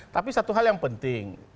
tapi satu hal yang penting